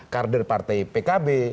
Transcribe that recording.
karder partai pkb